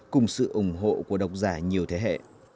cùng sự ủng hộ của độc giả nhiều thế hệ